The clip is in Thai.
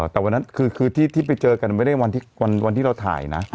แต่วันนั้นคือที่ไปเจอกันไม่ได้วันที่เราถ่ายนะ